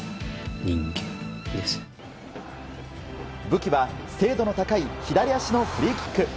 武器は精度の高い左足のフリーキック。